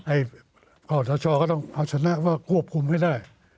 ไอ้ข้าวทชก็ต้องเอาชนะว่ากวบคุมให้ได้